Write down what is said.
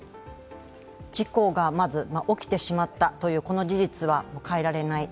事故が起きてしまったという、この事実は変えられない。